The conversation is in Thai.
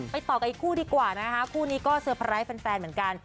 ต่อกันอีกคู่ดีกว่านะคะคู่นี้ก็เตอร์ไพรส์แฟนเหมือนกัน